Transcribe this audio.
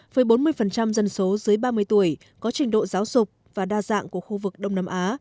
với bốn mươi dân số dưới ba mươi tuổi có trình độ giáo dục và đa dạng của khu vực đông nam á